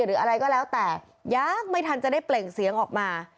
หรืออะไรก็แล้วแต่ยังไม่ทันจะได้เปล่งเสียงออกมา